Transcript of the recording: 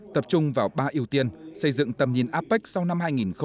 tập trung vào ba ưu tiên xây dựng tầm nhìn apec sau năm hai nghìn hai mươi